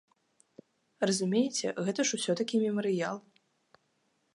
Разумееце, гэта ўсё ж такі мемарыял.